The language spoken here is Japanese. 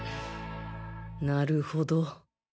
なるほど